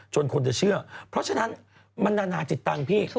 คนจะเชื่อเพราะฉะนั้นมันนานาจิตตังค์พี่